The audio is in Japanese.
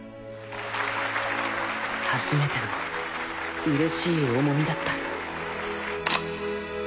初めてのうれしい重みだった